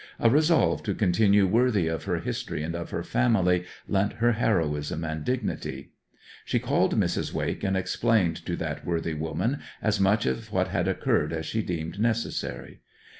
A resolve to continue worthy of her history and of her family lent her heroism and dignity. She called Mrs. Wake, and explained to that worthy woman as much of what had occurred as she deemed necessary.